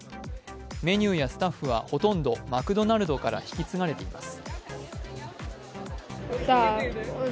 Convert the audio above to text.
メニューやスタッフはほとんどマクドナルドから引き継がれています。